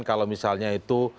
kalau misalnya itu